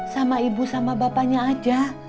sama ibu sama bapaknya aja